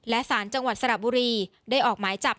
และสารจังหวัดสระบุรีได้ออกหมายจับ